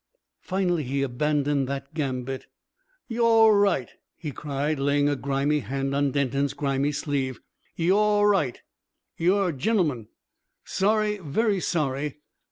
Finally he abandoned that gambit. "You're aw right," he cried, laying a grimy hand on Denton's grimy sleeve. "You're aw right. You're a ge'man. Sorry very sorry.